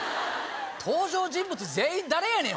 登場人物全員誰やねん！